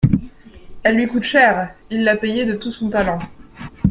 Elle lui coûte cher : il l'a payée de tout son talent.